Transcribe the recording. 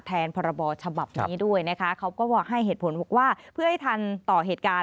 แทนพศนี้ด้วยเขาก็บอกให้เหตุผลว่าเพื่อให้ทันต่อเหตุการณ์